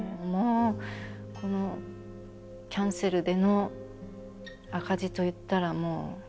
もうこのキャンセルでの赤字といったらもう。